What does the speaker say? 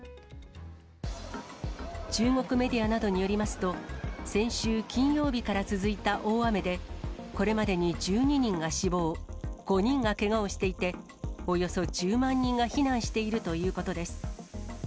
中国メディアなどによりますと、先週金曜日から続いた大雨で、これまでに１２人が死亡、５人がけがをしていて、およそ１０万人が避難しているということです。